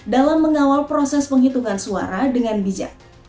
dalam mengawal proses penghitungan suara dengan bijak